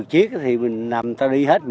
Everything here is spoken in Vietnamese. một mươi chiếc thì mình nằm ta đi hết